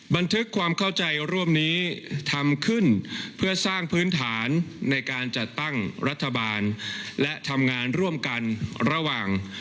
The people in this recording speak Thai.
บันทึกความเข้าใจร่วมนี้ทำขึ้นเพื่อสร้างพื้นฐานในการจัดตั้งรัฐบาลและทำงานร่วมกันระหว่าง